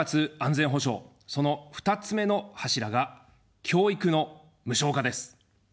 その２つ目の柱が、教育の無償化です。